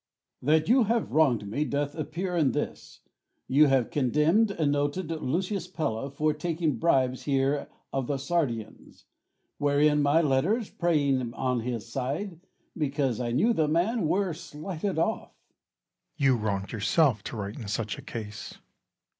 That you have wrong'd me doth appear in this: You have condemn'd and noted Lucius Pella For taking bribes here of the Sardians; Wherein my letters, praying on his side, Because I knew the man, were slighted off. Bru. You wrong'd yourself to write in such a case.